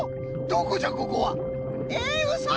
どこじゃここは！？えうそ！